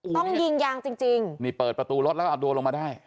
ต้องยิงยางจริงนี่เปิดประตูรถแล้วก็เอาตัวลงมาได้